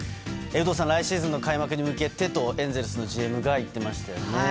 有働さん、来シーズンの開幕に向けてとエンゼルスのＧＭが言ってましたよね。